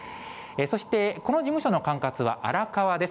そして、この事務所の管轄は荒川です。